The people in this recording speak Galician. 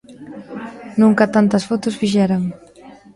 Nunca tantas fotos fixeran.